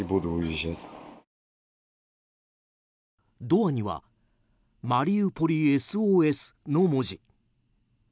ドアには「マリウポリＳＯＳ」の文字。